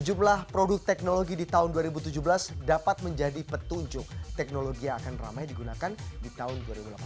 jumlah produk teknologi di tahun dua ribu tujuh belas dapat menjadi petunjuk teknologi yang akan ramai digunakan di tahun dua ribu delapan belas